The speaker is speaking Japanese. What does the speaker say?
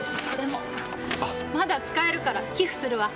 まだ使えるから寄付するわ。